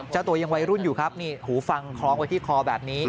เจ้าตัวยังวัยรุ่นอยู่ครับนี่หูฟังคล้องไว้ที่คอแบบนี้